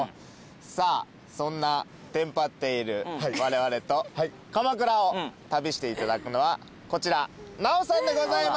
さあそんなテンパっているわれわれと鎌倉を旅していただくのはこちら奈緒さんでございます。